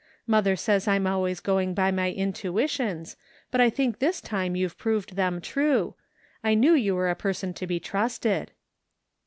Mother says I'm always going by my intuitions, but I think this time youVe proved them true. I knew you were a person to be trusted."